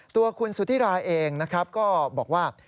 ตัวคุณสุธิราเองนะครับก็บอกว่า